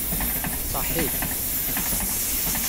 Saḥḥit!